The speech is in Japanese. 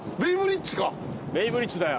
ベイブリッジだよ。